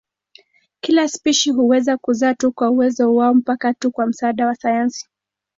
Kila spishi huweza kuzaa tu kwa uwezo wao mpaka tu kwa msaada wa sayansi.